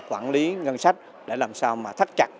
quản lý ngân sách để làm sao mà thắt chặt